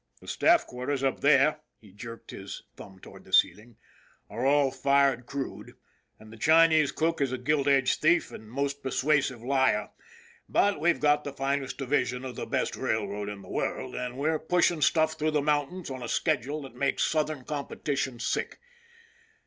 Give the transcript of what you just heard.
The staff quarters up there," he jerked his thumb toward the RAFFERTY'S RULE 5 ceiling, " are all fired crude, and the Chinese cook is a gilt edge thief and most persuasive liar; but we've got the finest division of the best railroad in the world, and we're pushing stuff through the mountains on a schedule that makes Southern competition sick.